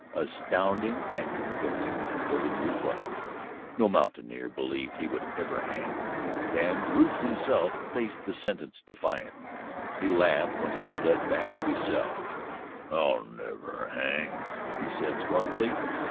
Astounding and convincing though the news was, no mountaineer believed he would ever hang, and Rufe himself faced the sentence defiant. He laughed when he was led back to his cell: "I'll never hang," he said scornfully.